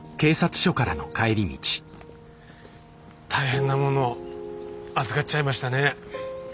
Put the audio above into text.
大変なものを預かっちゃいましたね。